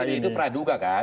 arti ini itu peraduga kan